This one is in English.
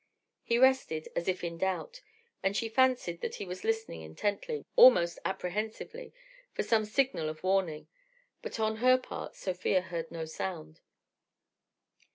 He rested as if in doubt, and she fancied that he was listening intently, almost apprehensively, for some signal of warning. But on her part Sofia heard no sound.